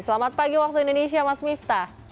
selamat pagi waktu indonesia mas miftah